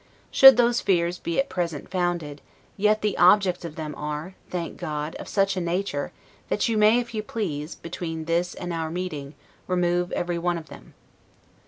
Should these fears be at present founded, yet the objects of them are (thank God) of such a nature, that you may, if you please, between this and our meeting, remove everyone of them.